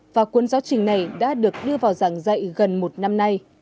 và cuốn giáo trình này đã được đưa vào giảng dạy gần một năm nay